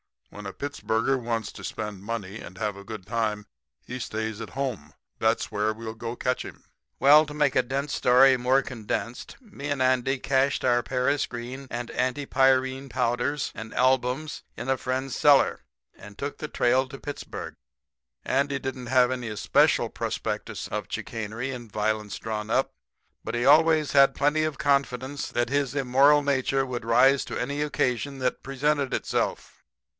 When a Pittsburger wants to spend money and have a good time he stays at home. That's where we'll go to catch him.' "Well, to make a dense story more condensed, me and Andy cached our paris green and antipyrine powders and albums in a friend's cellar, and took the trail to Pittsburg. Andy didn't have any especial prospectus of chicanery and violence drawn up, but he always had plenty of confidence that his immoral nature would rise to any occasion that presented itself.